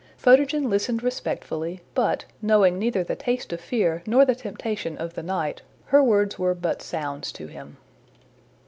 Photogen listened respectfully, but, knowing neither the taste of fear nor the temptation of the night, her words were but sounds to him.